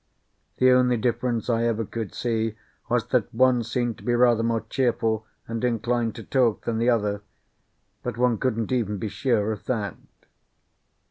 The only difference I ever could see was, that one seemed to be rather more cheerful and inclined to talk than the other; but one couldn't even be sure of that.